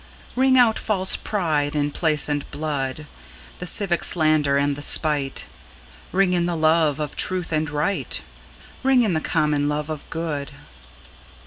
Ring out false pride in place and blood, The civic slander and the spite; Ring in the love of truth and right, Ring in the common love of good.